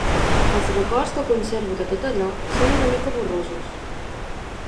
Els records que conservo de tot allò són una mica borrosos